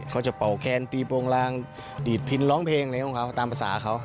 เขาจะเป่าแค้นตีโปรงลางดีดพลินร้องเพลงตามภาษาเขา